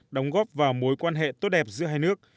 đóng góp vào mối quan hệ tốt đẹp giữa hai nước